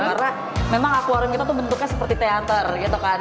karena memang aquarium kita tuh bentuknya seperti teater gitu kan